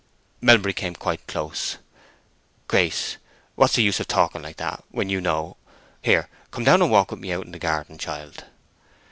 Melbury came quite close. "Grace, what's the use of talking like that, when you know—Here, come down and walk with me out in the garden, child."